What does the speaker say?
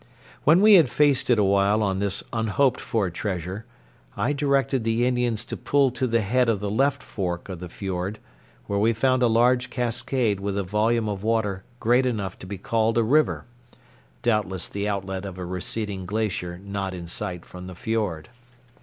When we had feasted awhile on this unhoped for treasure, I directed the Indians to pull to the head of the left fork of the fiord, where we found a large cascade with a volume of water great enough to be called a river, doubtless the outlet of a receding glacier not in sight from the fiord.